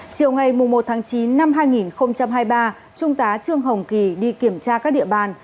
chiều ngày một tháng chín năm hai nghìn hai mươi ba trung tá trương hồng kỳ đi kiểm tra các địa bàn